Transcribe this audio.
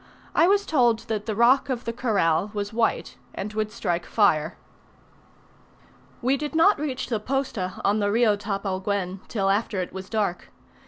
I was told that the rock of the "Corral" was white, and would strike fire. We did not reach the posta on the Rio Tapalguen till after it was dark.